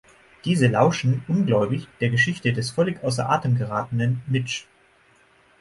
Diese lauschen ungläubig der Geschichte des völlig außer Atem geratenen Mitch.